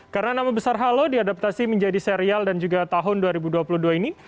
karena nama besar halo diadaptasi menjadi serial dan juga tahun dua ribu dua puluh dua ini